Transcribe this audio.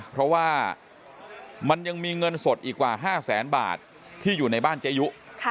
เพราะว่ามันยังมีเงินสดอีกกว่า๕แสนบาทที่อยู่ในบ้านเจยุ